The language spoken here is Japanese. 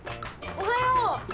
おはよう。